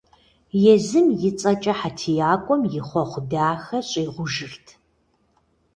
Езым и цӀэкӀэ хьэтиякӀуэм хъуэхъу дахэ щӀигъужырт.